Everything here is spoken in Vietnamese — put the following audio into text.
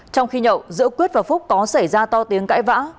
trong khi nhậu giữa quyết và phúc có xảy ra to tiếng cãi vã